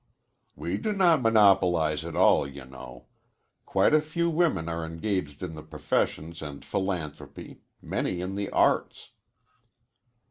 "We do not monopolize it all, you know. Quite a few women are engaged in the professions and philanthropy; many in the arts."